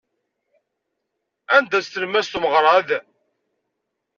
Anda-tt tlemmast umeɣrad?